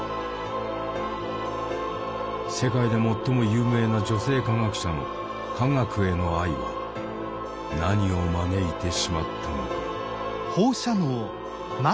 世界で最も有名な女性科学者の科学への愛は何を招いてしまったのか？